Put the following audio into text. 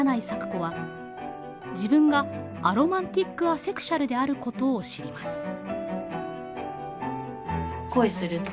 咲子は自分がアロマンティックアセクシュアルであることを知ります。